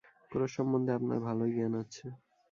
Cross সম্বন্ধে আপনার ভালোই জ্ঞান আছে।